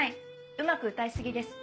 うまく歌いすぎです。